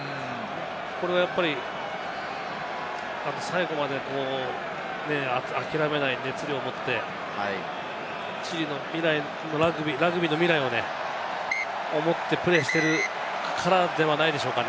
それは最後まで諦めない熱量を持って、チリのラグビーの未来を思ってプレーしてるからではないでしょうか。